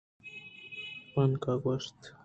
بانکءَ گوٛشت